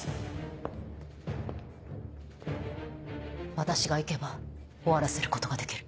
私が行けば終わらせることができる。